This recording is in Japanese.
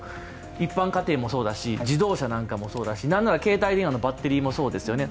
一般家庭もそうだし、自動車なんかもそうだし、なんなら携帯電話のバッテリーもそうですよね。